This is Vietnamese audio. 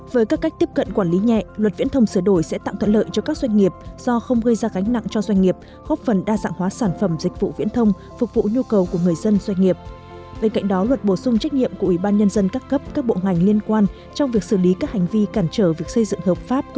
với các cách tiếp cận quản lý nhẹ luật viễn thông sửa đổi sẽ tạo thuận lợi cho các doanh nghiệp do không gây ra gánh nặng cho doanh nghiệp góp phần đa dạng hóa sản phẩm dịch vụ viễn thông phục vụ nhu cầu của người dân doanh nghiệp